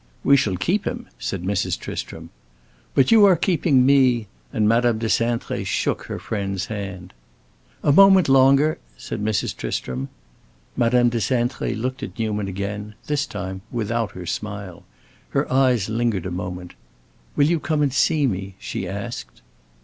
"We shall keep him," said Mrs. Tristram. "But you are keeping me!" and Madame de Cintré shook her friend's hand. "A moment longer," said Mrs. Tristram. Madame de Cintré looked at Newman again; this time without her smile. Her eyes lingered a moment. "Will you come and see me?" she asked.